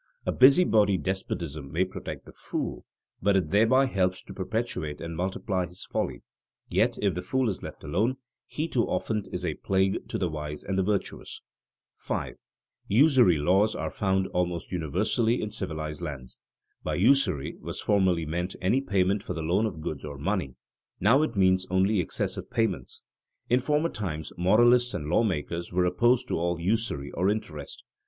A busybody despotism may protect the fool, but it thereby helps to perpetuate and multiply his folly; yet if the fool is left alone, he too often is a plague to the wise and the virtuous. [Sidenote: Usury laws as social legislation] 5. Usury laws are found almost universally in civilized lands. By usury was formerly meant any payment for the loan of goods or money; now it means only excessive payments. In former times moralists and lawmakers were opposed to all usury or interest.